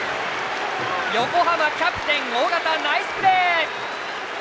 横浜、キャプテン、緒方ナイスプレー！